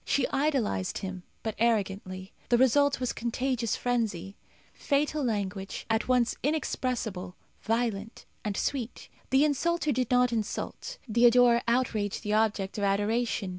She idolized him, but arrogantly. The result was contagious frenzy. Fatal language, at once inexpressible, violent, and sweet. The insulter did not insult; the adorer outraged the object of adoration.